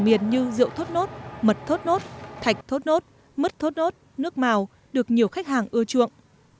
miền như rượu thốt nốt mật thốt nốt thạch thốt nốt mứt thốt nốt nước màu được nhiều khách hàng ưa chuộng